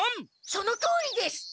そのとおりです！